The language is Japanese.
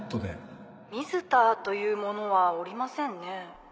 水田という者はおりませんね